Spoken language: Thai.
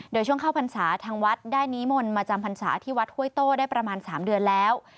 โดยช่วงเข้าพรรษาทางวัดได้นิมนต์มาจำพรรษาที่วัดห้วยโต้ได้ประมาณ๓เดือนแล้ว